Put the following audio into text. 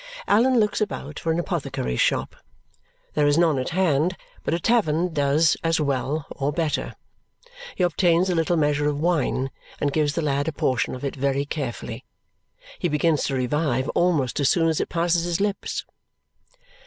Allan looks about for an apothecary's shop. There is none at hand, but a tavern does as well or better. He obtains a little measure of wine and gives the lad a portion of it very carefully. He begins to revive almost as soon as it passes his lips.